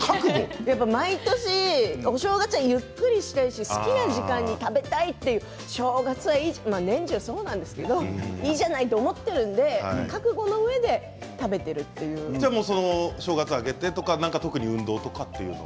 毎年、お正月はゆっくりしたいし好きな時間に食べたいという正月は年中そうなんですけどいいじゃないと思っているので特に運動とかは？